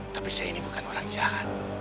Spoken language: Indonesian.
tapi saya ini bukan orang jahat